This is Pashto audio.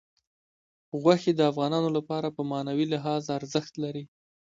غوښې د افغانانو لپاره په معنوي لحاظ ارزښت لري.